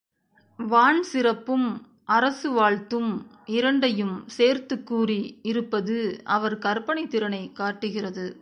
வான் சிறப்பும் அரசு வாழ்த்தும் இரண்டையும் சேர்த்துக் கூறி இருப்பது அவர் கற்பனைத் திறனைக் காட்டுகிறது.